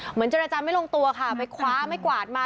เจรจาไม่ลงตัวค่ะไปคว้าไม่กวาดมา